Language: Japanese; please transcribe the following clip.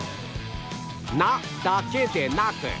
なだけでなく